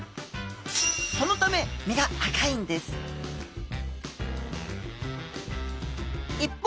そのため身が赤いんです一方